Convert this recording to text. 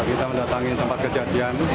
kita mendatangi tempat kejadian